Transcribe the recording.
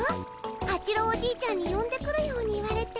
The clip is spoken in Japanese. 八郎おじいちゃんによんでくるように言われて。